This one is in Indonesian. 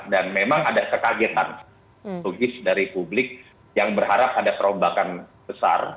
dan memang ada kekagetan logis dari publik yang berharap ada perombakan besar